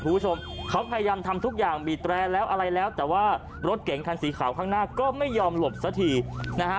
คุณผู้ชมเขาพยายามทำทุกอย่างบีดแรร์แล้วอะไรแล้วแต่ว่ารถเก๋งคันสีขาวข้างหน้าก็ไม่ยอมหลบซะทีนะฮะ